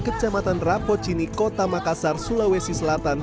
kecamatan rapocini kota makassar sulawesi selatan